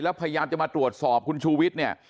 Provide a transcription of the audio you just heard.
แล้วพยายามจะมาตรวจสอบคุณชูวิทย์เนี่ย